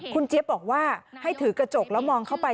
คุณเจี๊ยบบอกว่าให้ถือกระจกแล้วมองเข้าไป